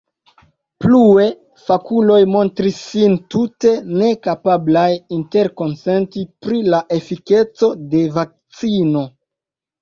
Plue: fakuloj montris sin tute nekapablaj interkonsenti pri la efikeco de vakcino.